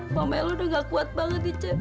mama elu udah gak kuat banget nih cep